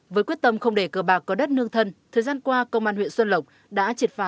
với quyết tâm không để cơ bạc có đất nương thân thời gian qua công an huyện xuân lộc đã triệt phá